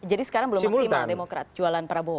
jadi sekarang belum maksimal demokrat jualan prabowo